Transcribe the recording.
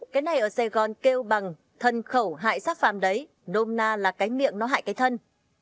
cái này ở sài gòn kêu bằng thân khẩu hại xác phạm đấy nôm na là cái miệng nó hại cái thân